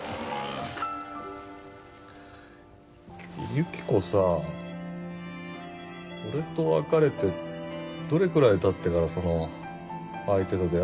由紀子さ俺と別れてどれくらい経ってからその相手と出会ったのかな？